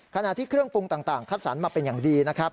ขณะที่เครื่องปรุงต่างคัดสรรมาเป็นอย่างดีนะครับ